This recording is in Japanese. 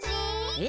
え？